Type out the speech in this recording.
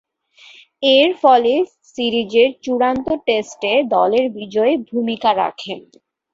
এরফলে সিরিজের চূড়ান্ত টেস্টে দলের বিজয়ে ভূমিকা রাখেন।